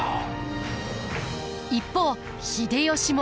一方秀吉も。